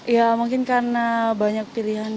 ya mungkin karena banyak pilihan